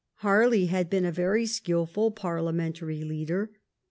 Harley had been a very skilful parliamentary leader.